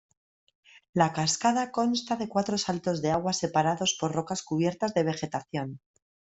La cascada consta de cuatro saltos de agua separados por rocas cubiertas de vegetación.